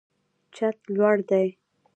چت لوړ دی.